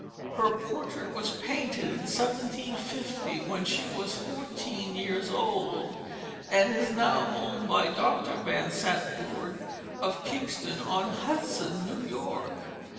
Her portrait was painted in 1750 when she was fourteen years old, and is now owned by Dr. Van Santvoord of Kingston on Hudson, New York.